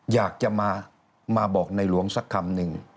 อยากจะมาบอกในหลวงสักคำหนึ่ง